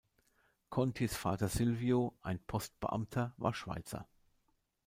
Contis Vater Silvio, ein Postbeamter, war Schweizer.